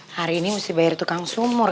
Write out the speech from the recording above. hari ini mesti bayar tukang sumur